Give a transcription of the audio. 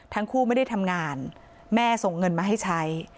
ทั้งคู่ไม่ได้ทำงานแม่ส่งเงินมาให้ใช้